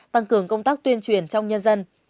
tăng cường công tác tuyên truyền trong nhân dân